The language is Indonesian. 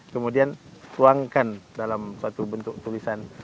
kemudian tuangkan dalam suatu bentuk tulisan